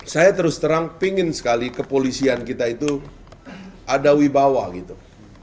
saya terus terang pingin sekali kepolisian kita itu ada wibawa gitu